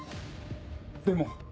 でも。